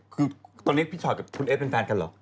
คือตอนนี้พี่ชอตกับคุณเอสเป็นแฟนกันเหรอ